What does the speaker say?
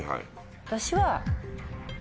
私は。